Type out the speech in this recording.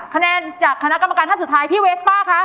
คะแนนจากคณะกรรมการท่านสุดท้ายพี่เวฟป้าคะ